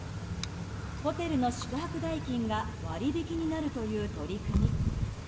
ホテルの宿泊代金が割引になるという取り組み。